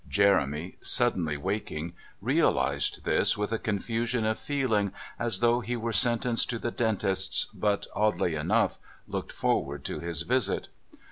Jeremy, suddenly waking, realised this with a confusion of feeling as though he were sentenced to the dentist's, but, oddly enough, looked forward to his visit.